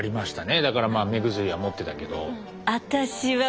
だからまあ目薬は持ってたけど。